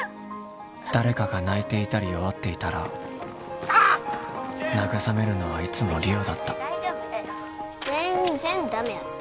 誰かが泣いていたり弱っていたらなぐさめるのはいつも梨央だった全然ダメやった